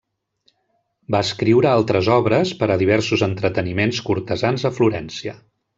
Va escriure altres obres per a diversos entreteniments cortesans a Florència.